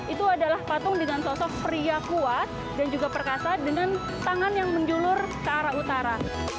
itu adalah patung dengan sosok pria kuat dan juga perkasa dengan tangan yang menjulur ke arah utara